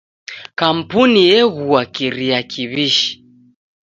Kampuni egua kiria kiw'ishi.